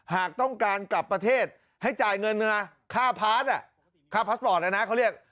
หากต้องการกลับประเทศให้จ่ายเงินมาค่าพาร์ทค่าพาสปอร์ตนะนะเขาเรียก